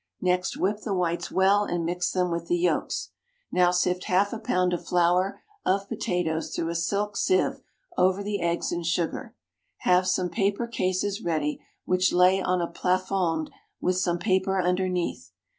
Next whip the whites well and mix them with the yolks. Now sift half a pound of flour of potatoes through a silk sieve over the eggs and sugar. Have some paper cases ready, which lay on a plafond with some paper underneath.